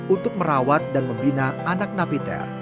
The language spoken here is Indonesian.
untuk merawat dan membina anak napiter